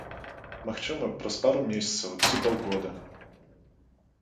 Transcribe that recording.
Магчыма, праз пару месяцаў, ці паўгода.